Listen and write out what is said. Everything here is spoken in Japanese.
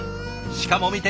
しかも見て！